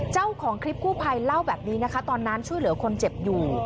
เจ้าของคลิปกู้ภัยเล่าแบบนี้นะคะตอนนั้นช่วยเหลือคนเจ็บอยู่